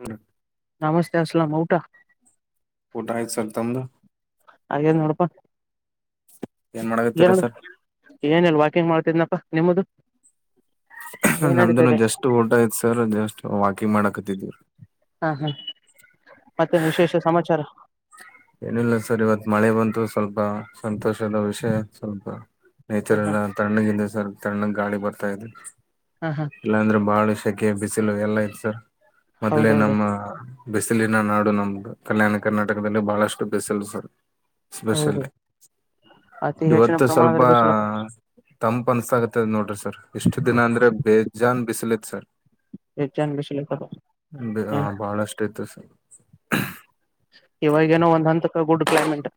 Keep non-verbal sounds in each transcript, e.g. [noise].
ಹು ನಮಸ್ತೆ ಸ್ಲಾಮ್ ಊಟಾ ಊಟಆಯ್ತ್ ಸರ್ ತಮ್ಮದು ಹಂಗೆ ನೋಡಕೊಂತ ಏನ್ ಮಾಡಕತ್ತೀರ ಏನದು ಸರ್ ಏನಲ್ಲ ವಾಕಿಂಗ್ ಮಾಡ ತಿದ್ನಪಾ ನಿಮ್ಮದು ಏನ್ ನಡೀತಾ ನಮ್ಮದನು ಇದೆ ಜಸ್ಟ್ ಊಟ ಆಯತು ಸರ್ ಜಸ್ಟ್ ವಾಕಿಂಗ್ ಮಾಡಾಕತ್ತಿದ್ವಿರಿ ಹ್ಹ ಮತ್ತೆನ್ ವಿಶೇಷ ಸಮಾಚಾರಾ ಏನಿಲ್ಲ ಸರ್ ಇವತ ಮಳೆ ಬಂತು ಸ್ವಲ್ಪ ಪ ಸಂತೋಷದ ವಿಷಯ ಸ್ವಲ್ಪ ಹಾ ನೇಚರ್ ಹಾ ಎಲ್ಲಾ ತಣ್ಣಗಿಂದ ತರ್ ತಣ್ಣಗ ಗಾಳಿ ಬರ್ತಾ ಇದೆ ಹಾ ಹಾ ಇಲ್ಲಾಂದ್ರೆ ಬಾಳ ಸೆಕೆ ಬಿಸಿಲು ಎಲ್ಲ ಐತ್ ಸರ್ ಮೊದ್ಲೆ ಹೌದೌದು ನಮ್ಮ ಬಿಸಿಲಿನ ನಾಡು ನಮ್ಮದು ಕಲ್ಯಾಣ ಕರ್ನಾಟಕದಲ್ಲಿ ಬಹಳಷ್ಟು ಬಿಸಿಲು ಸರ್ ಹೌದು ಸ್ಪೆಷಲಿ ಅತಿ ಹೆಚ್ಚಿನ ಇವತ್ತು ಪ್ರಮಾಣದಲ್ಲಿ ಸ್ವಲಪಾ ಬಿಸಿಲಪ್ಪ ತಂಪ ಅನ್ಸಾಗತ್ತದ್ ನೋಡ್ರಿ ಸರ್ ಇಷ್ಟ್ ದಿನಾ ಅಂದ್ರೆ ಬೇಜಾನ್ ಬಿಸ್ಲತ್ ಸರ್ ಹೆಚ್ಚನ್ ಬಿಸಿಲಪ್ಪ ಬಿ ಹ ಹ್ಮ್ ಬಹಳ ಅಷ್ಟು ಇತ್ತು ಸರ್ ಇವಾಗೇನೋ ಒಂದ ಹಂತಕ ಗುಡ್ ಕ್ಲೈಮೇಟ್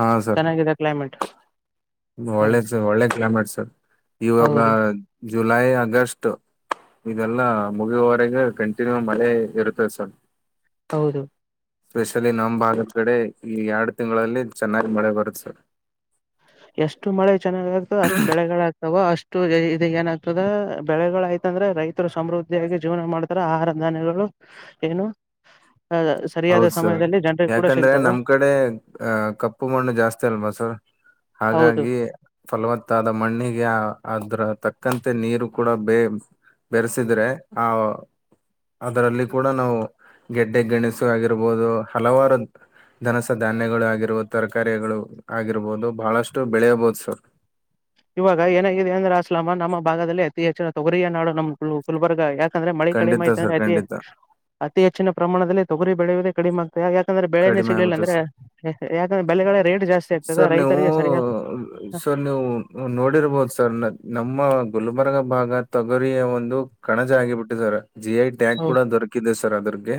ಹಾ ಸರ್ ಚೆನ್ನಾಗಿದೆ ಕ್ಲೈಮೇಟ್ ಹ್ಮ್ ಒಳ್ಳೆ ಸರ್ ಒಳ್ಳೆ ಕ್ಲೈಮೇಟ್ ಸರ್ ಇವಾಗ ಹೌದು ಜುಲೈ ಆಗಸ್ಟು ಇದೆಲ್ಲಾ ಮುಗಿಯವರೆಗೆ ಕಂಟಿನ್ಯೂ ಮಳೆ ಇರುತ್ತದೆ ಸರ್ ಹೌದು ಸ್ಪೆಷಲಿ ನಮ್ಮ ಭಾಗದ ಕಡೆ ಈ ಎರಡು ತಿಂಗಳಲ್ಲಿ ಚೆನ್ನಾಗಿ ಮಳೆ ಬರುತ್ತ ಸರ್ ಎಷ್ಟು ಮಳೆ ಚೆನ್ನಾಗ ಆಗುತ್ತೋ ಅಷ್ಟು ಬೆಳೆಗಳಾಗ್ತಾವ ಅಷ್ಟ್ ಟು ಇದ ಏನಾಗ್ತದ ಬೆಳೆಗಳು ಆಯ್ತಂದ್ರೆ ರೈತರು ಸಮೃದ್ಧಿಯಾಗಿ ಜೀವನ ಮಾಡ್ತಾರ ಆಹಾರ ಧನ್ಯಗಳು ಹ್ಹ ಏನು ಹ್ಹ ಹೌದ ಸರ್ ಯಾಕಂದ್ರೆ ಸಿಗ್ತಾವ ನಮ್ಮ ಕಡೆ ಅ ಕಪ್ಪು ಮಣ್ಣು ಜಾಸ್ತಿ ಅಲ್ವಾ ಸರ್ ಹೌದು ಹಾಗಾಗಿ ಫಲವತ್ತಾದ ಮಣ್ಣಿಗೆ ಆ ಅದ್ರ ತಕ್ಕಂತೆ ನೀರು ಕೂಡ ಬೇ ಬೆರೆಸಿದ್ರೆ ಆ ಅದರಲ್ಲಿ ಕೂಡ ನಾವು ಗೆಡ್ಡೆ ಗಣಿಸು ಆಗಿರ್ಬೋದು ಹಲವಾರು ಧನಸ ಧಾನ್ಯಗಳು ಆಗಿರ್ಬದು ತರಕಾರಿಗಳು ಆಗಿರ್ಬಹುದು ಬಹಳಷ್ಟು ಬೆಳೆಯಬಹುದು ಸರ್ ಇವಾಗ ಏನಾಗಿದೆ ಅಂದ್ರ ಅಸ್ಲಾಮ ನಮ್ಮ ಭಾಗದಲ್ಲಿ ಅತಿ ಹೆಚ್ಚಿನ ತೊಗರಿಯ ನಾಡು ನಮ್ಮ ಗುಲ್ ಗುಲ್ಬರ್ಗ ಯಾಕ್ ಯಾಕ ಅಂದ್ರೆ ಮಳೆ ಕಡಿಮೆ ಖಂಡಿತ ಆಯತ ಅಂದೆ ಸರ್ ಅತಿ ಖಂಡಿತ ಅತಿ ಹೆಚ್ಚಿನ ಪ್ರಮಾಣದಲ್ಲಿ ತೊಗರಿ ಬೆಳೆಯುವುದೇ ಕಡಿಮೆ ಆಗ್ತದ ಯ ಯಾಕಂದ್ರೆ ಬೆಳೆನೇ ಕಡಿಮೆ ಸಿಗ್ಲಿಲ್ಲ ಆಗುತ್ತೆ ಸರ್ ಅಂದ್ರೆ ಯಾಕಂದ್ರೆ ಬೆಳಗಳ ರೇಟ್ ಜಾಸ್ತಿ ಆಗ್ತದೆ ಸರ್ ನೀವು ರೈತರಿಗೆ ಸರಿಯಾದ ಸರ್ ನೀವುವು ನೋಡಿರ್ಬಹುದು ಸರ ನ ನಮ್ಮ ಗುಲ್ಬರ್ಗ ಭಾಗ ತೊಗರಿಯ ಒಂದು ಕಣಜ ಆಗಿಬಿಟ್ಟಿದಾರೆ ಸರ್ ಜಿ ಐ ಟ್ಯಾಂಕ್ ಹೌದು ಕೂಡ ದೊರಕಿದೆ ಸರ ಅದರಗೆ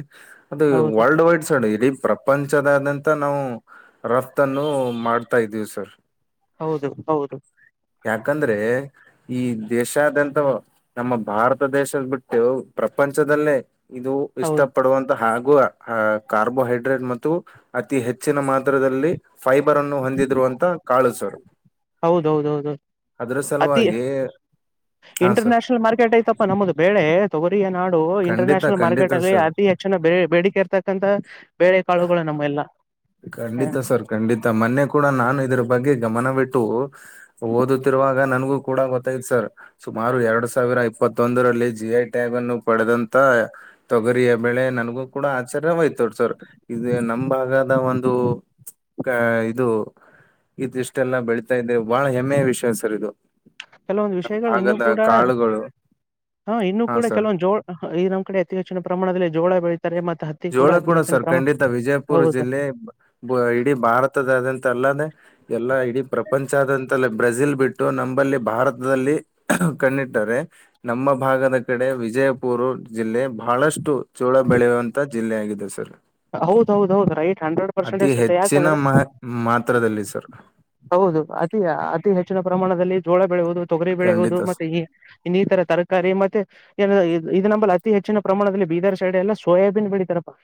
ಅದು ಹೌದು ವರ್ಲ್ಡ್ ವೈಡ್ ಸರ್ ಇಡೀ ಪ್ರಪಂಚದಾದಂತ ನಾವು ರಫ್ತನ್ನು ಮಾಡ್ತಾ ಇದ್ದೀವಿ ಸರ್ ಹೌದು ಹೌದು ಯಾಕಂದ್ರೆ ಈ ದೇಶಾದ್ಯಂತವು ನಮ್ಮ ಭಾರತ ದೇಶದ ಬಿಟ್ಟು ಪ್ರಪಂಚದಲ್ಲೇ ಇದು ಹೌದು ಇಷ್ಟಪಡುವಂತಹಾ ಗು ಅಹ ಕಾರ್ಬೋಹೈಡ್ರೇಟ್ ಮತ್ತು ಅತಿ ಹೆಚ್ಚಿನ ಮಾತ್ರದಲ್ಲಿ ಫೈಬರ್ ಅನ್ನು ಹೊಂದಿದ್ರು ಅಂತ ಕಾಳು ಸಾರ್ ಹೌದೌದೌದು ಅತಿ ಹಾ ಸರ್ ಇಂಟರ್ನ್ಯಷನಲ್ ಮಾರ್ಕೆಟ್ ಐತಪ್ಪ ನಮ್ಮದು ಬೆಳೆ ತಗೋ ರಿ ನಾಡು ಇಂಟರ್ ಖಂಡಿತ ನ್ಯಾಷನಲ್ ಮಾರ್ಕೆಟ್ ಖಂಡಿತ ಅಲ್ಲಿ ಸರ್ ಅತಿ ಹೆಚ್ಚಿನ ಬೇಡಿಕೆ ಇರ್ತಕ್ಕಂತಹ ಬೇಳೆ ಕಾಳುಗಳು ನಮ್ಮಲ್ಲಿ ಇಲ್ಲಾ ಖಂಡಿತಾ ಸರ್ ಖಂಡಿತಾ ಮ ನ್ನೆ ಕೂಡ ನಾನು ಇದ್ರ ಬಗ್ಗೆ ಗಮನ ಬಿಟ್ಟು ಓದುತ್ತಿರುವಾಗ ನನಗು ಕೂಡ ಗೊತ್ತಾಯಿತು ಸರ್ ಸುಮಾರು ಎರಡ್ ಸಾವಿರ ಇಪ್ಪತ್ತೊಂದರಲ್ಲಿ ಜಿಐ ಟ್ಯಾಗ ಅನ್ನು ಪಡೆದಂತ ತೊಗರಿಯ ಬೆಳೆ ನನ್ಗೂ ಕೂಡ ಆಚಾರ್ಯವಾಯ್ತ ಸರ್ ಇದು ನಮ್ಮ ಭಾಗದ ಒಂದು ಇದು ಇದಿಷ್ಟೆಲ್ಲ ಬೆಳತಾ ಇದೆ ಬಹಳ ಹೆಮ್ಮೆಯ ವಿಷಯ ಸರ್ ಇದು ಕೆಲವೊಂದು ನಮ್ ವಿಷಯಗಳು ಇನ್ನು ಭಾಗದ ಕೂಡ ಕಾಳುಗಳು ಹಾ ಇನ್ನು ಕೂಡ ಕೆಲವೊಂದು ಜೋಳ ಈ ನಮ್ ಕಡೆ ಅತಿ ಹೆಚ್ಚಿನ ಪ್ರಮಾಣದಲ್ಲಿ ಜೋಳ ಬೆಳೀ ಜೋಳ ಕೂಡ ಸರ್ ಖಂಡಿತ ವಿಜಯಪುರ ಹೌದು ಜಿಲ್ಲೆ ಇಡೀ ಭಾರತದತ್ಯಂತ ಇದು ಅಲ್ಲದೆ ಎಲ್ಲಾ ಇಡೀ ಪ್ರಪಂಚದಾದಂತಲ್ಲಿ ಬ್ರೆಜಿಲ್ ಬಿಟ್ಟು ನಮಲ್ಲಿ ಭಾರತದಲ್ಲಿ ಕಣ್ಣಿಟ್ಟರೆ ನಮ್ಮ ಭಾಗದ ಕಡೆ ವಿಜಯಪುರ ಜಿಲ್ಲೆ ಬಹಳಷ್ಟು ಚೋಳ ಬೆಳೆಯುವಂತ ಜಿಲ್ಲೆ ಆಗಿದೆ ಸರ್ ಹೌದ್ ಹೌದ ಹೌದ ರೈಟ್ ಹಂಡ್ರೆಡ್ ಪರ್ಸೆಂಟ್ ಅತಿ ಸತ್ಯ ಹೆಚ್ಚಿನ ಯಾಕಂದ್ರೆ ಮಹ ಮಾತ್ರದಲ್ಲಿ ಸರ್ ಹೌದು ಅತಿ ಅತಿ ಹೆಚ್ಚಿನ ಪ್ರಮಾಣದಲ್ಲಿ ಜೋಳ ಬೆಳೆಯುವುದು ತೊಗರಿ ಬೆಳೆಯುವುದು ಖಂಡಿತ ಸ ಮತ್ತೆ ಈ ಇನ್ನಿತರ ತರಕಾರಿ ಮತ್ತೆ ಇದ ನಮ್ಮಲ್ಲಿ ಅತಿ ಹೆಚ್ಚಿನ ಪ್ರಮಾಣದಲ್ಲಿ ಬೀದಾರ್ ಸೈಡ್ ಎಲ್ಲ ಸೋಯಾಬೀನ್ ಬೆಳೀತಾರಪ್ಪಾ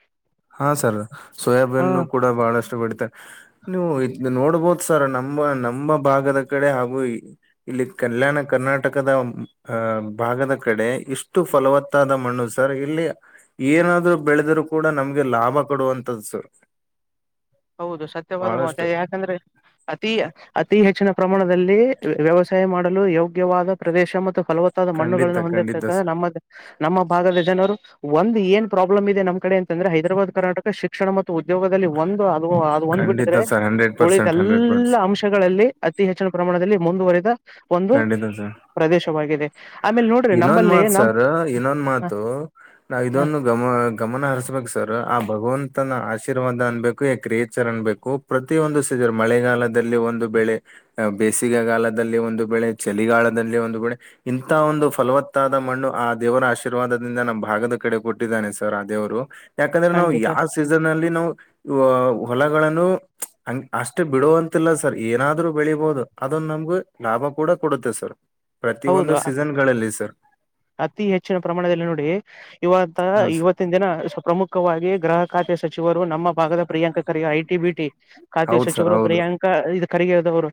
ಹಾ ಸರ್ ಸೋಯಾಬೀನ್ ಕೂಡ ಬಹಳಷ್ಟು ಬೆಳಿತಾರೆ [inaudible] ನೀವು ನೋಡ್ಬೋದು ಸರ್ ನಮ್ಮ ನಮ್ಮ ಭಾಗದ ಕಡೆ ಹಾಗೂ ಇಲ್ಲಿ ಕಲ್ಯಾಣ ಕರ್ನಾಟಕದ ಭಾಗದ ಕಡೆ ಇಷ್ಟು ಫಲವತ್ತಾದ ಮಣ್ಣು ಸರ್ ಇಲ್ಲಿ ಏನಾದ್ರು ಬೆಳೆದ್ರು ಕೂಡ ನಮ್ಗೆ ಲಾಭ ಕೊಡುವಂತದ್ದ ಸರ್ ಹೌದು ಸತ್ಯವಾದ ಮಾತ ಬಹಳಷ್ಟು ಯಾಕಂದ್ರೆ ಅತಿ ಅತಿ ಹೆಚ್ಚಿನ ಪ್ರಮಾಣ ವ್ಯವಸಾಯ ಮಾಡಲು ಯೋಗ್ಯವಾದ ಪ್ರದೇಶ ಮತ್ತು ಫಲವತ್ತಾದ ಖಂಡಿತ ಮಣ್ಣುಗಳನ್ನು ಖಂಡಿತ ಹೊಂದಿರುತ್ತದೆ ಸರ್ ನಮ್ಮ ನಮ್ಮ ಭಾಗದ ಜನರು ಒಂದು ಏನ್ ಪ್ರಾಬ್ಲಮ್ ಇದೆ ನಮ್ ಕಡೆ ಅಂತಂದ್ರೆ ಹೈದರಾಬ್ ಕರ್ನಾಟಕ ಶಿಕ್ಷಣ ಮತ್ತು ಉದ್ಯೋಗದಲ್ಲಿ ಒಂದು ಅದು ಒಂದ್ ಖಂಡಿತ ಬಿಟ್ಟಿದ್ರೆ ಸರ್ ಹಂಡ್ರೆಡ್ ಉಳಿದ ಪರ್ಸೆಂಟ್ ಹಂಡ್ರೆಡ್ ಎಲ್ಲ ಪರ್ಸೆಂಟ್ ಅಂಶಗಳಲ್ಲಿ ಅತಿ ಹೆಚ್ಚಿನ ಪ್ರಮಾಣದಲ್ಲಿ ಮುಂದುವರಿದ ಒಂದು ಖಂಡಿತ ಸರ್ ಪ್ರದೇಶವಾಗಿದೆ ಆಮೇಲೆ ನೋಡ್ರಿ ಇನ್ನೊಂದ್ ನಂಬಲ್ಲಿ ಮಾತ್ ನಮ್ ಸರ್ ಇನ್ನೊಂದ್ ಮಾತು ನಾ ಹ ಇದೊಂದು ಗಮನ ಹರಿಸ್ಬೇಕು ಸರ್ ಆ ಭಗವಂತನ ಆಶೀರ್ವಾದ ಅನ್ಬೇಕು ಯ ಕ್ರಿಯೇಚರ್ ಅನ್ಬೇಕು ಪ್ರತಿಯೊಂದು ಮಳೆಗಾಲದಲ್ಲಿ ಒಂದು ಬೆಳೆ ಬೇಸಿಗೆಗಾಲದಲ್ಲಿ ಒಂದು ಬೆಳೆ ಚಳಿಗಾಲದಲ್ಲಿ ಒಂದು ಬೆಳೆ ಇಂತ ಒಂದು ಫಲವತ್ತಾದ ಮಣ್ಣು ಆ ದೇವರ ಆಶೀರ್ವಾದದಿಂದ ನಮ್ಮ ಭಾಗದ ಕಡೆ ಕೊಟ್ಟಿದ್ದಾನೆ ಸರ್ ಆ ದೇವರು ಯಾಕಂದ್ರೆ ನಾವು ಖಂಡಿತ ಯಾವ ಸೀಸನ್ ಅಲ್ಲಿ ನಾವು ಹೊಲಗಳನ್ನು ಅಷ್ಟ್ ಬಿಡುವಂತಿಲ್ಲ ಸರ್ ಏನಾದ್ರು ಬೆಳಿಬೋದು ಅದು ನಮ್ಗು ಲಾಭ ಕೂಡ ಕೊಡುತ್ತೆ ಸರ್ ಪ್ರತಿ ಒಂದು ಹೌದು ಸೀಸನ್ ಗಳಲ್ಲಿ ಸರ್ ಅತಿ ಹೆಚ್ಚಿನ ಪ್ರಮಾಣದಲ್ಲಿ ನೋಡಿ ಇವಾಗ ಹ ಇವತ್ತಿನ ದಿನ ಪ್ರಮುಖವಾಗಿ ಗ್ರಾಹಕ ಖಾತೆ ಸಚಿವರು ನಮ್ಮ ಭಾಗದ ಪ್ರಿಯಾಂಕ ಖರ್ಗೆ ಐಟಿ ಬಿಟಿ ಖಾತೆ ಹೌದ್ ಸರ್ ಸಚಿವರು ಹೌದು ಪ್ರಿಯಾಂಕಾ ಖರ್ಗೆಯವರು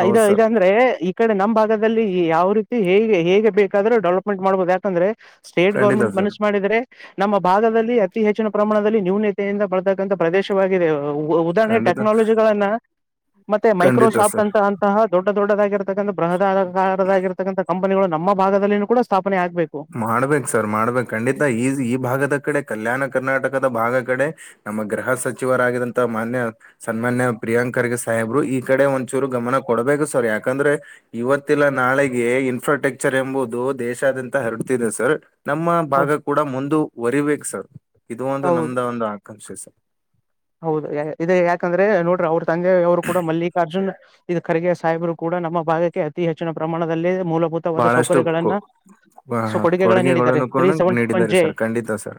ಹೌದ್ ಇದು ಸರ್ ಇದಂದ್ರೆ ಈ ಕಡೆ ನಮ್ಮ್ ಭಾಗದಲ್ಲಿ ಈ ಯಾವ ರೀತಿ ಹೇಗೆ ಹೇಗೆ ಬೇಕಾದ್ರೆ ಡೆವಲಪ್ಮೆಂಟ್ ಮಾಡ್ಬಹುದು ಯಾಕಂದ್ರೆ ಸ್ಟೇಟ್ ಖಂಡಿತ ಗೌರ್ಮೆಂಟ್ ಸರ್ ಮನಸ್ಸು ಮಾಡಿದ್ರೆ ನಮ್ಮ ಭಾಗದಲ್ಲಿ ಅತಿ ಹೆಚ್ಚಿನ ಪ್ರಮಾಣದಲ್ಲಿ ನ್ಯೂನಯತೆಯಿಂದ ಬಳತಕ್ಕಂಥ ಪ್ರದೇಶವಾಗಿದೆ ಉದಾಹರಣೆ ಖಂಡಿತ ಟೆಕ್ನಾಲಜಿಗಳನ್ನ ಮತ್ತೆ ಖಂಡಿತ ಮೈಕ್ರೋಸಾಫ್ಟ್ ಸರ್ ಅಂತ ಅಂತಹ ದೊಡ್ಡ ದೊಡ್ಡದಾಗಿರತಕ್ಕಂಥ [unintelligible] ಕಂಪನಿಗಳು ನಮ್ಮ ಭಾಗದಲ್ಲಿಯೂ ಕೂಡ ಸ್ಥಾಪನೆ ಆಗ್ಬೇಕು ಮಾಡಬೇಕು ಸರ್ ಮಾಡಬೇಕು ಖಂಡಿತಾ ಈ ಭಾಗದ ಕಡೆ ಕಲ್ಯಾಣ ಕರ್ನಾಟಕದ ಭಾಗ ಕಡೆ ನಮ್ಮ ಗೃಹ ಸಚಿವರಾಗಿದ್ದಂತ ಮಾನ್ಯ ಸನ್ಮಾನ್ಯ ಪ್ರಿಯಾಂಕ ಖರ್ಗೆ ಸಾಹೇಬರು ಈ ಕಡೆ ಒಂದು ಚೂರು ಗಮನ ಕೊಡ್ಬೇಕು ಸರ್ ಯಾಕಂದ್ರೆ ಇವತ್ತಲ್ಲ ನಾಳೆಗೆ ಇನ್ಫ್ರಾಸ್ಟ್ರಕ್ಚರ್ ಎಂಬುದು ದೇಶಾದ್ಯಂತ ಹರಡ್ತಿದೆ ಸರ್ ನಮ್ಮ ಹೌ ಭಾಗ ಕೂಡ ಮುಂದುವರಿಬೇಕ ಸರ್ ಇದು ಒಂದು ಹೌದು ನಮ್ದ ಒಂದು ಆಕಾಂಕ್ಷೆ ಸರ್ ಹೌದು ಇದು ಯಾಕಂದ್ರೆ ನೋಡ್ರಿ ಅವ್ರ ತಂದೆಯವ್ರು ಕೂಡ ಮಲ್ಲಿಕಾರ್ಜುನ್ ಖರ್ಗೆ ಸಾಹೇಬರು ಕೂಡ ನಮ್ಮ ಭಾಗಕ್ಕೆ ಅತಿ ಹೆಚ್ಚಿನ ಪ್ರಮಾಣದಲ್ಲಿ ಮೂಲಭೂತವಾದ ಬಹಳಷ್ಟು ಸೌಕರ್ಯಗಳನ್ನ ಕೊ- ಆ, ಕೊಡುಗೆಗಳನ್ನು ನೀಡಿದ್ದಾರೆ ಕೂಡ ನೀಡಿದ್ದಾರೆ [unintelligible] ಸರ್ ಖಂಡಿತ sir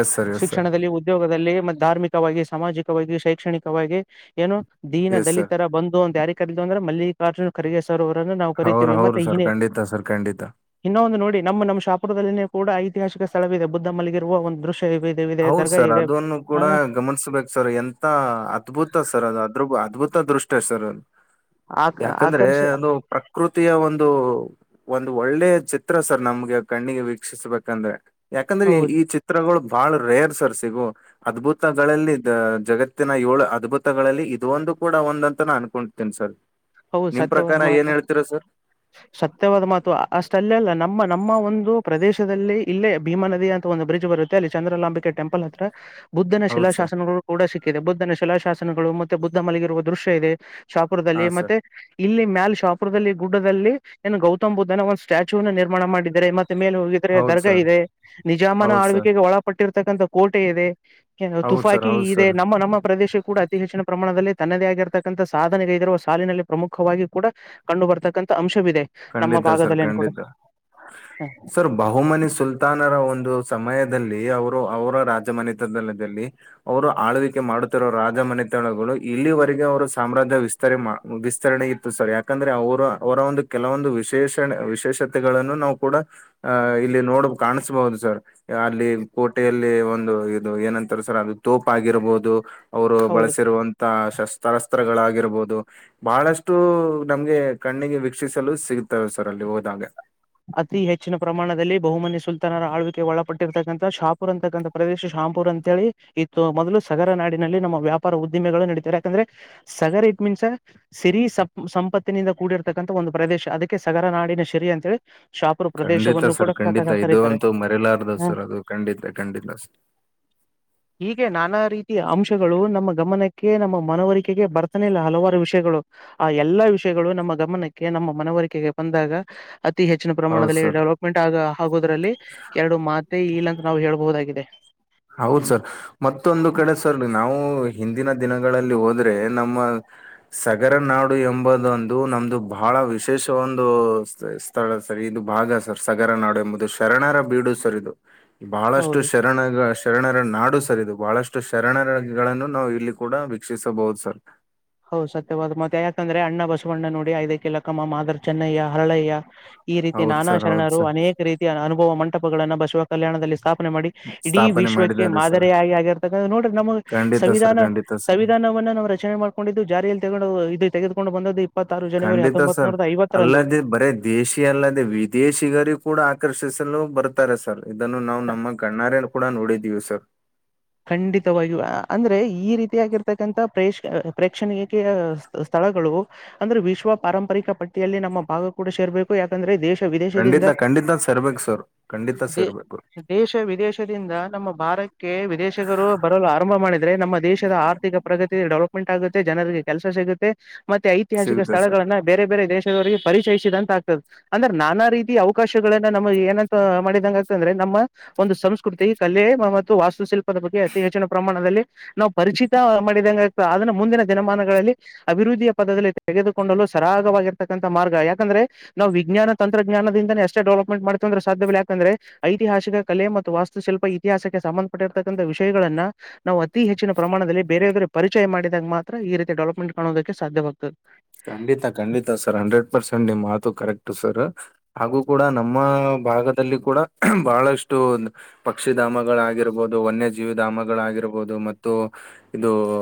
yes sir yes sir ಶಿಕ್ಷಣದಲ್ಲಿ ಉದ್ಯೋಗದಲ್ಲಿ ಮತ್ತೆ ಧಾರ್ಮಿಕವಾಗಿ ಸಾಮಾಜಿಕವಾಗಿ ಶೈಕ್ಷಣಿಕವಾಗಿ ಏನು ದೀನ ಎಸ್ ಸರ್ ದಲಿತರ ಬಂದು ಅಂತ ಯಾರ ಕರ ಅಂದ್ರೆ ಮಲ್ಲಿ ಕಾರ್ಟೂನ್ ಖರಗೆ ಸರ್ ಅವರನ್ನ ನಾವು ಅವ್ರ ಕರಿೀತೀವಿ ಹೌದು ಮತ್ತೆ ಸರ್ ಹನೇ ಖಂಡಿತ ಸರ್ ಖಂಡಿತ ಇನ್ನೊ ಒಂದು ನೋಡಿ ನಮ್ಮ್ ನಮ್ಮ ಶಾಪುರದಲ್ಲಿನ ಕೂಡ ಐತಿಹಾಸಿಕ ಸ್ಥಳವೇಿದೆ ಬುದ್ಧ ಮಲಿಗಿರುವ ಒಂದು ದೃಶ್ಯ ಇದೆ ಇದೆ ಇದೆ ಹೌದ ದರ್ಗಾ ಸರ್ ಇದೆ ಅದನ್ನು ಕೂಡ ಹ ಗಮ ಗನ್ಸ್ಬೇಕ ಸರ್ ಎಂತ ಅದ್ಭುತ ಸರ್ ಅದು ಅದ್ರ ಅದ್ಭುತ ದೃಷ್ಟ್ಯ ಸರ್ ಆ ಯಾಕಂದ್ರೆ ಆಕರ್ಷ ಒಂದು ಪ್ರಕೃತಿಯ ಒಂದು ಒಂದು ಒಳ್ಳೆ ಚಿತ್ರ ಸರ್ ನಮ್ಗೆ ಕಣ್ಣಿಗೆ ವೀಕ್ಷಿಸ್ಬೇಕಂದ್ರೆ ಯಾಕಂದ್ರೆ ಈ ಹೌದು ಈ ಚಿತ್ರಗಳು ಬಹಳ ರೇರ್ ಸರ್ ಸಿಗು ಅದ್ಭುತಗಳಲ್ಲಿ ಜಗತ್ತಿನ ಏಳು ಅದ್ಭುತಗಳಲ್ಲಿ ಇದ ಒಂದು ಕೂಡ ಒಂದ ಅಂತ ನ ಅನ್ಕೊತೇನಿ ಸರ್ ಹೌದು ನಿಮ್ ಸತ್ಯವಾದ ಪ್ರಕಾರ ಮಾತ ಏನ್ ಹೇಳ್ತೀರಾ ಸರ್ ಸತ್ಯವಾದ ಮಾತು ಅಷ್ಟ ಅಲ್ಲ ಅಲ್ಲ ನಮ್ಮ ನಮ್ಮ ಒಂದು ಪ್ರದೇಶದಲ್ಲಿ ಇಲ್ಲೇ ಭೀಮಾ ನದಿ ಅಂತ ಒಂದು ಬ್ರಿಡ್ಜ್ ಬರುತ್ತೆ ಅಲ್ಲಿ ಚಂದ್ರಲಾಂಬಿಕೆ ಟೆಂಪಲ್ ಹತ್ರ ಬುದ್ಧನ ಹೌದ್ ಸರ್ ಶಿಲಾಶಾಸನಗಳು ಕೂಡ ಸಿಕ್ಕಿದೆ ಬುದ್ಧನ ಶಿಲಾಶಾಸನಗಳು ಮತ್ತೆ ಬುದ್ಧ ಮಲಗಿರುವ ದೃಶ್ಯ ಇದೆ ಹಾ ಶಾಪುರದಲ್ಲಿ ಸರ್ ಮತ್ತೆ ಇಲ್ಲಿ ಮ್ಯಲ್ ಶಾಪುರದಲ್ಲಿ ಗುಡ್ಡದಲ್ಲಿ ಏನು ಗೌತಮ್ ಬುದ್ಧನ ಒಂದ್ ಸ್ಟ್ಯಾಚು ನಿರ್ಮಾಣ ಮಾಡಿದ್ದಾರೆ ಮ ಮೇಲೆ ಹೋಗಿದ್ರೆ ಹೌದ್ ದರ್ಗಾ ಸರ್ ಇದೆ ನಿಜಾಮನ ಹೌದ್ ಸರ್ ಆಳ್ವಿಕೆಗೆ ಒಳಪಟ್ಟಿರ್ತಕ್ಕಂಥ ಕೋಟೆ ಇದೆ ಹೌದ್ ಸರ್ ತುಫಾಕಿ ಹೌದ್ ಇದೆ ಸರ್ ನಮ್ಮ ನಮ್ಮ ಪ್ರದೇಶಕ್ಕೆ ಕೂಡ ಅತಿ ಹೆಚ್ಚಿನ ಪ್ರಮಾಣದಲ್ಲಿ ತನ್ನದೇ ಆಗಿರತಕ್ಕಂಥ ಸಾಧನೆಗೈದರುವ ಸಾಲಿನಲ್ಲಿ ಪ್ರಮುಖವಾಗಿ ಕೂಡ ಕಂಡು ಬರ್ತಕ್ಕಂಥ ಅಂಶ ಖಂಡಿತ ಸರ್ ಖಂಡಿತ ಸರ್ ಬಹುಮನಿ ಸುಲ್ತಾನರ ಒಂದು ಒಂದು ಸಮಯದಲ್ಲಿ ಅವರು ಅವರ ರಾಜಮನಿತಲದಲ್ಲಿ ಅವರು ಆಳ್ವಿಕೆ ಮಾಡುತ್ತಿರುವೋ ರಾಜ ಮನೆತಳಗಳು ಇಲ್ಲಿವರೆಗೆ ಅವರು ಸಾಮ್ರಾಜ್ಯ ವಿಸ್ತ ವಿಸ್ತರಣೆ ಇತ್ತು ಸರ್ ಯಾಕಂದ್ರೆ ಅವರು ಅವರ ಒಂದು ಕೆಲವೊಂದು ವಿಶೇಷಣ ವಿಶೇಷತೆಗಳನ್ನು ನಾವು ಕೂಡ ಅಹ ಇಲ್ಲಿ ನೋಡ್ ಕಾಣಿಸಬಹುದು ಸರ್ ಅಲ್ಲಿ ಕೋಟೆಯಲ್ಲಿ ಒಂದು ಇದು ಏನಂತಾರೆ ಸರ್ ಅದು ತೋಪ್ ಆಗಿರ್ಬಹುದು ಅವರು ಹೌದು ಬಳಸಿರುವಂತ ಶಸ್ತ್ರಾಸ್ತ್ರಗಳಾಗಿರಬಹುದು ಬಹಳಷ್ಟು ನಮಗೆ ಕಣ್ಣಿಗೆ ವಕ್ಷಿಸಲು ಸಿಗ್ತಾರೆ ಸರ್ ಅಲ್ಲಿ ಹೋದಾಗ ಅತಿ ಹೆಚ್ಚಿನ ಪ್ರಮಾಣದಲ್ಲಿ ಬಹುಮನಿ ಸುಲ್ತಾನರ ಆಳ್ವಿಕೆ ಒಳಪಟ್ಟಿರ್ತಕ್ಕಂಥ ಶಾಪುರ್ ಅಂತಕ್ಕಂಥ ಪ್ರದೇಶ ರಾಂಪುರ್ ಅಂತೇಳಿ ಇತ್ತು ಮೊದಲು ಸಗರ ನಾಡಿನಲ್ಲಿ ನಮ್ಮ ವ್ಯಾಪಾರ ಉದ್ದಿಮೆಗಳು ನಡತಾರೆ ಯಾಕಂದ್ರೆ ಸಗರ ಮೀನ್ಸ ಸಿರಿ ಸಂಪತ್ತಿನಿಂದ ಕೂಡಿರ್ತಕ್ಕಂಥ ಒಂದು ಪ್ರದೇಶ ಅದಕ್ಕೆ ಸಗರ ನಾಡಿನ ಸಿರಿ ಅಂತೇಳಿ ಶಾಪುರ್ ಖಂಡಿತ ಪ್ರದೇಶವನ್ನು ಸರ್ ಕೂಡ ಖಂಡಿತ ಇದು ಕರೀತಾರೆ ಅಂತೂ ಮರೆಯಲಾರ್ದವ್ ಹಾ ಸರ್ ಅದು ಖಂಡಿತ ಖಂಡಿತ [inaudible] ಹೀಗೆ ನಾನಾ ರೀತಿಯ ಅಂಶಗಳು ನಮ್ಮ ಗಮನಕ್ಕೆ ನಮ್ಮ ಮನವರಿಕೆಗೆ ಬರ್ತಾನೆ ಇಲ್ಲ ಹಲವಾರು ವಿಷಯಗಳು ಆ ಎಲ್ಲಾ ವಿಷಯಗಳು ನಮ್ಮ ಗಮನಕ್ಕೆ ನಮ್ಮ ಮನವರಿಕೆಗೆ ಬಂದಾಗ ಅತಿ ಹೆಚ್ಚಿನ ಹೌದ್ ಪ್ರಮಾಣದಲ್ಲಿ ಸರ್ ಡೆವಲಪ್ಮೆಂಟ್ ಆಗ ಆಗೋುದ್ರಲ್ಲಿ ಎರಡು ಮಾತೆ ಈ ಲಕ ನಾವು ಹೇಳ್ಬಹುದಾಗಿದೆ ಹೌದು ಹ್ಮ್ ಸರ್ ಮತ್ತೊಂದು ಕಡೆ ಸರ್ ನಾವು ಹಿಂದಿನ ದಿನಗಳಲ್ಲಿ ಹೋದ್ರೆ ನಮ್ಮ ಸಗರ ನಾಡು ಎಂಬುದೊಂದು ನಮ್ದು ಬಹಳ ಬಹಳ ವಿಶೇಷ ಒಂದು ಸ್ಥಳ ಸರ್ ಇದು ಭಾಗ ಸರ್ ಸಗರ ನಾಡು ಎಂಬುದು ಶರಣರ ಬೀಡು ಸರ್ ಇದು ಬಹಳಷ್ಟು ಹೌದು ಶರಣಗ ಶರಣರ ನಾಡು ಸರ್ ಇದು ಬಹಳಷ್ಟು ಶರಣರಗಳನ್ನು ನಾವು ಇಲ್ಲಿ ಕೂಡ ವೀಕ್ಷಿಸಬಹುದು ಸರ್ ಹೌ ಸತ್ಯವಾದ್ ಮತ್ತೆ ಯಾಕಂದ್ರೆ ಅಣ್ಣ ಬಸವಣ್ಣ ನೋಡಿ ಐದಕ್ಕೆಲಕ್ಕಮ್ಮ ಮಾದರ್ ಚನ್ನಯ್ಯ ಹರಳಯ್ಯ ಈ ರೀತಿ ಹೌದ್ ನಾನಾ ಸರ್ ಹೌದ್ ಶರಣರು ಸರ್ ಅನೇಕ ರೀತ ಅನುಭವ ಮಂಟಪಗಳಗಳನ್ನು ಬಸವ ಕಲ್ಯಾಣದಲ್ಲಿ ಸ್ಥಾಪ ಮಾಡಿ ಇಡೀ ಸ್ಥಾಪನೆ ವಿಶ್ವಕ್ಕೆ ಮಾಡಿದ್ದಾರೆ ಸರ್ ಮಾದರಿಯಾಗಿ ಆಗಿರ್ತಕ್ಕ ನೋಡ್ರಿ ನಮ ಖಂಡಿತ ಸರ್ ಸಂವಿಧಾನ ಖಂಡಿತ ಸರ್ ಸಂವಿಧಾನ ನಾವು ರಚನೆ ಮಾಡ ಲ್ಲಿ ತಗೊಂಡು ಇದು ತೆಗೆದುಕೊಂಡು ಬಂದದ ಖಂಡಿತ ಸರ್ ಅಲ್ಲದೆೇ ಬರೇ ದೇಶಿ ಅಲ್ಲದೆೇ ವಿದೇಶಿಗರ ಕೂಡ ಆಕರ್ಷಿಸ ಬರ್ತಾರೆ ಸರ್ ಇದನ್ನು ನಾವು ನಮ್ಮ ಗಣ್ಣಾರ್ಯನ್ ಕೂಡ ನೋಡಿದೀವಿ ಸರ್ ಖಂಡಿತವ ಅಂದ್ರೆ ಈ ರೀತಿಯಾಗಿರ್ತಕ್ಕಂಥ ಪ್ರೇ ಪ್ರೇಕ್ಷಣಕ್ಕೆ ಸ್ಥಳಗಳು ಅಂದ್ರೆ ವಿಶ್ವ ಪಾರಂಪರಿಕ ಪಟ್ಟಿಯಲ್ಲಿ ನಮ್ಮ ಭಾಗ ಕೂಡ ಸೇರ್ಬೇಕು ಯಾಕಂದ್ರೆ ದೇಶ ವಿದೇಶದಿಂದ ಖಂಡಿತ ಖಂಡಿತ ಸೇರ್ಬೇಕು ಸರ್ ಖಂಡಿತ ದ ಸೇರ್ಬೇಕು ದೇಶ ವಿದೇಶದಿಂದ ನಮ್ಮ ಭಾರತ ಕೆ ವಿದೇಶ ರು ಬರಲು ಆರಂಭ ಮಾಡಿದ್ರೆ ನಮ್ಮ ದೇಶದ ಆರ್ಥಿಕ ಪ್ರಗತಿ ಡೆವಲಪ್ಮೆಂಟ್ ಆಗುತ್ತೆ ಜನರಿಗೆ ಕೆಲ್ಸ ಸಿಗುತ್ತೆ ಮತ್ತೆ ಐತಿಹಾಸಿಕ ಸಿಗುತ್ತೆ ಸರ್ ಸ್ಥಳಗಳನ್ನ ಬೇರೆ ಬೇರೆ ದೇಶ ಪರಿಚಯಿಸಿದಂತ ಆಗ್ತದೆ ಅಂದ್ರೆ ನಾನಾ ರೀತಿಯ ಅವಕಾಶಗಳನ್ನ ನಮಗೆ ಏನಂತ ಮಾಡಿದಂಗ ಆಗ್ತ ಅಂದ್ರೆ ನಾ ಮ ಒಂದು ಸಂಸ್ಕೃತಿ ಕಲೆ ಮತ್ತು ವಾಸ್ತುಶಿಲ್ಪ ಬಗ್ಗೆ ಅತಿ ಹೆಚ್ಚಿನ ಪ್ರಮಾಣದಲ್ಲಿ ನಾವು ಪರಿಚಿತ ಮಾಡಿದತ ಅದನ್ನು ಮುಂದಿನ ದಿನಮಾನಗಳಲ್ಲಿ ಅಭಿವೃದ್ಧಿ ರುದ್ದಿ ಪದದಲ್ಲಿ ತೆಗೆದುಕೊಂಡಲು ಸರಾಗವಾಗಿರತಕ್ಕಂತಥ ಮಾರ್ಗ ಯಾಕಂದ್ರೆ ನಾವು ವಿಜ್ಞಾನ ತಂತ್ರಜ್ಞಾನದಿಂದ ಎಷ್ಟೇ ಡೆವಲಪ್ಮೆಟ್ ಮಾಡ್ತ ಅಂದ್ರ ಸಾಧ್ಯವ ಯಾಕಂದ್ರೆ ಐತಿಹಾಸಿಕ ಕಲೆ ಮತ್ತು ವಸ್ತುಶಿಲ್ಪ ಇತಿಹಾಸಕ್ಕೆ ಸಂಬಂಧಪಟ್ಟ ಕಂತ ವಿಷಯಗಳಗಳನ್ನು ನಾವು ಅತಿ ಹೆಚ್ಚಿನ ಪ್ರಮಾಣದಲ್ಲಿ ಬೇರೆೆಯವರ ಪರಿಚಯ ಮಾಡಿದಾಗ ಮಾತ್ರ ಈ ರೀತಿ ಡೆವಲಪ್ಮೆಂಟ್ ಕಾಣೋಡ್ ಕ್ಕೆ ಸಾಧ್ಯವಾಗ್ತದೆ. ಖಂಡಿತಾ ಖಂಡಿತ ಸರ್ ಹಂಡ್ರೆಡ್ ಪರ್ಸೆಂಟ್ ನಿಮ್ ಮಾತು ಕರೆಕ್ಟ್ ಸರ್ ಹಾಗು ಕೂಡ ನಮ್ಮ ಭಾಗದಲ್ಲಿ ಕೂಡ ಬಹಳಷ್ಟು ಪಕ್ಷಿಧಾಮಗಳಾಗಿರಬಹುದು ವನ್ಯಜೀವಿ ಧಾಮಗಳಾಗಿ ರಬಹುದು ಮತ್ತು ಇದು ಊ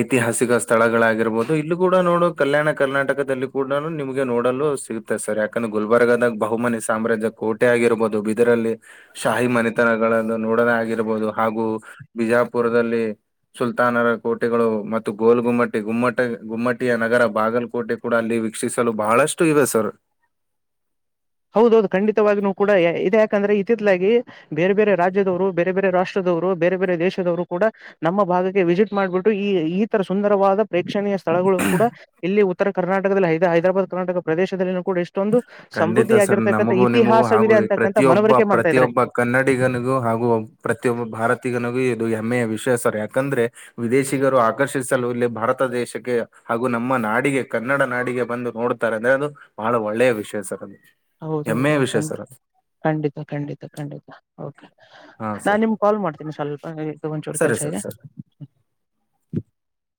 ಐತಿಹಾಸಿಕ ಸ್ಥಳಗಳಾಗಿರಬಹುದು ಇಲ್ಲಿಕೂ ಡ ನೋಡು ಕಲ್ಯಾಣ ಕರ್ನಾಟಕದಲ್ಲಿ ಕೂಡ ನಿಮಗೆ ನೋಡಲು ಸಿಗುತ್ತೆ ಸರ್ ಯಾಕಂದ್ರೆ ಗುಲ್ಬರ್ಗದಾಗ ಬಹುಮನಿ ಸಾ ಸಾಮ್ರಾಜ ಕೋಟೆ ಆಗಿರಬಹುದು ಬಿದರಲ್ಲಿ ಶಾಹಿ ಮನೆತನಗಳನ್ನು ನೋಡಣ ಆಗಿರ್ಬೋದು ಹಾಗು ಬಿಜಾಪುರದಲ್ಲಿ ಸುಲ್ತಾನರ ಕೋಟೆಗಳು ಮತ್ತು ಗೋಲ್ ಗುಮ್ಮಟ್ ಗುಮ್ಮಟ ಗುಮ್ಮಟ್ ಟ ನಗರ ಬಾಗಲಕೋಟೆ ಕೂಡ ಅಲ್ಲಿ ವೀಕ್ಷಿಸಲು ಬಹಳಷ್ಟು ಇವೆ ಸರ್. ಹೌದೌದು ಖಂಡಿತವಾಗಿನೂ ಕೂಡ ಇದು ಯಾಕಂದ್ರೆ ಇತಿತ್ಲಾಗಿ ಬೇರೆ ಬೇರೆ ರಾಜ್ಯದವರು ಬೇರೆ ಬೇರೆ ರಾಷ್ಟ್ರದ ರು ಬೇರೆ ಬೇರೆ ದೇಶದವರು ಕೂಡ ನಮ್ಮ ಭಾಗಕ್ಕೆ ವಿಸಿಟ್ ಮಾಡ್ಬಿಟ್ಟು ಈ ಈ ತರ ಸುಂದರವಾದ ಪ್ರೇಕ್ಷಣೀಯ ಸ್ಥಳಗಳು ಕೂಡ ಇಲ್ಲಿ ಉತ್ತರ ಕರ್ನಾಟಕದಲ್ಲಿ ಹೈದ್ ಹೈದರಾಬಾದ್ ಕರ್ನಾಟಕ ಪ್ರದೇಶದಲ್ಲಿ ಕೂಡ ಇಷ್ಟೊಂದು ಸಮೃದ್ಧ ಖಂಡಿತ ಸರ್ ನಮಗೂ ನಿಮಗೂ ಹಾಗೂ ಈ ಪ್ರತಿಯೊಬ್ಬ ಮನವರಿಕೆ ಮಾಡ್ತಾ ಇದ್ದಾರೆ ಪ್ರತಿಯೊಬ್ಬ ಕನ್ನಡಿಗನಿಗೂ ಹಾಗೂ ಪ್ರತಿಯೊಬ್ಬ ಭಾರತೀಗನಿಗ್ ಇದು ಹೆಮ್ಮೆಯ ವಿಷಯ ಸರ್ ಯಾಕಂದ್ರೆ ವಿದೇಶಿಗರು ಆಕರ್ಷಿಸಲು ಇಲ್ಲಿ ಭಾರತ ದೇಶಕ್ಕೆ ಹಾಗು ನಮ್ಮ ನಾಡಿಗೆ ಕನ್ನಡ ನಾಡಿಗೆ ಬಂದು ನೋಡ್ತಾರೆ ಅಂದ್ರೆ ಅದು ಬಹಳ ಒಳ್ಳೆಯ ವಿಷಯ ಸರ್ ಅದು ನಮ್ ಹೌದ್ ಹೌದ್ ಖಂಡಿತ ಖಂಡಿತ ಖಂಡಿತ ಓಕೆ. ಹಾ ನಾನ್ ಸರ್ ನಿಮ್ಗ್ ಕಾಲ್ ಮಾಡ್ತೀನಿ ಸ್ವಲ್ಪ ಇದು ಒಂಚೂರು ಸರಿ ಕೆಲ್ಸ ಸರ್ ಇದೆ. ಸರಿ [inaudible]